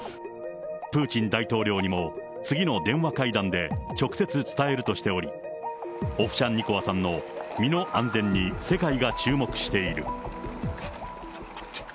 プーチン大統領にも、次の電話会談で直接伝えるとしており、オフシャンニコワさんの身の安全に世界が注目している。